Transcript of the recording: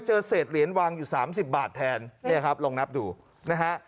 เจอเศษเหรียญวางอยู่๓๐บาทแทนเนี่ยครับลองนับดูนะฮะ